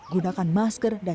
gunakan masker dan jaringan